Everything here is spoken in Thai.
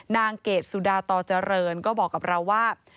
เกรดสุดาตอเจริญก็บอกกับเราว่า